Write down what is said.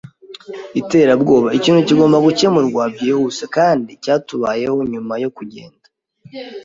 iterabwoba. Ikintu kigomba gukemurwa byihuse, kandi cyatubayeho nyuma yo kugenda